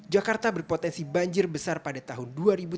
jakarta berpotensi banjir besar pada tahun dua ribu tujuh belas